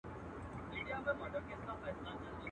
ستا د کتاب تر اشو ډېر دي زما خالونه.